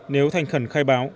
nếu thanh khẩn khai báo